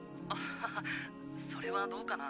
ハハそれはどうかな」